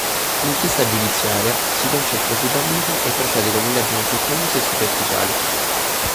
L'inchiesta giudiziaria si concentra sui banditi e procede con indagini frettolose e superficiali